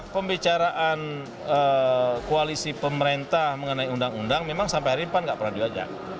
pembicaraan koalisi pemerintah mengenai undang undang memang sampai hari ini pan nggak pernah diajak